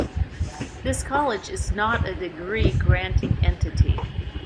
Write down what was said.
This college is not a degree-granting entity.